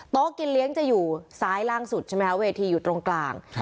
กินเลี้ยงจะอยู่ซ้ายล่างสุดใช่ไหมคะเวทีอยู่ตรงกลาง